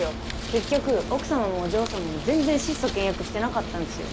結局奥様もお嬢様も全然質素倹約してなかったんすよ。